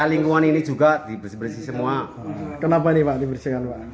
apa ini pak diberikan pak